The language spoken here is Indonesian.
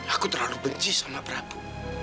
aku terlalu benci sama prabu